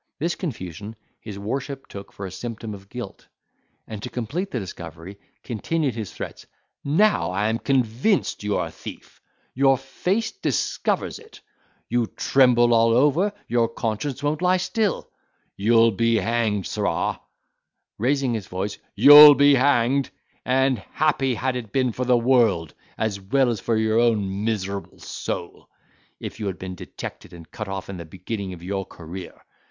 This confusion his worship took for a symptom of guilt, and, to complete the discovery, continued his threats, "Now, I am convinced you are a thief—your face discovers it, you tremble all over, your conscience won't lie still—you'll be hanged, sirrah," raising his voice, "you'll be hanged; and happy had it been for the world, as well as for your own miserable soul, if you had been detected, and cut off in the beginning of your career.